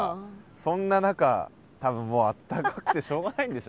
そんな中多分もうあったかくてしょうがないんでしょうね。